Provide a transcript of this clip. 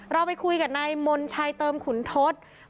เราไปคุยกับนายมนชัยเติมขุนทศ